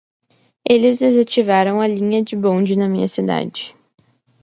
Eles desativaram a linha de bonde na minha cidade.